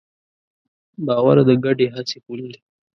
باور د ګډې هڅې پُل دی.